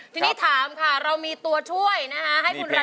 ทีนี้ถามค่ะเรามีตัวช่วยนะคะให้คุณรัน